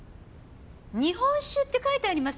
日本酒って書いてありますよ！